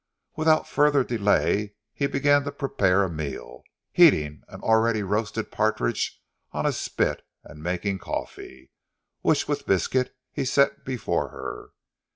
Without further delay he began to prepare a meal, heating an already roasted partridge on a spit, and making coffee, which, with biscuit he set before her.